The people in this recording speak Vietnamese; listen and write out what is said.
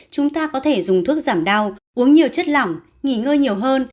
chúng ta có thể dùng thuốc giảm đau uống nhiều chất lỏng nghỉ ngơi nhiều hơn